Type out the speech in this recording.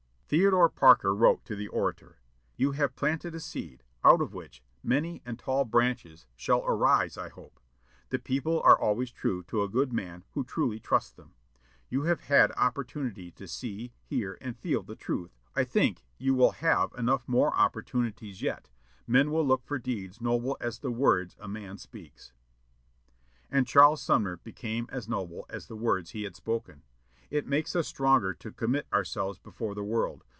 '" Theodore Parker wrote to the orator, "You have planted a seed, 'out of which many and tall branches shall arise,' I hope. The people are always true to a good man who truly trusts them. You have had opportunity to see, hear, and feel the truth of that oftener than once. I think you will have enough more opportunities yet; men will look for deeds noble as the words a man speaks." And Charles Sumner became as noble as the words he had spoken. It makes us stronger to commit ourselves before the world.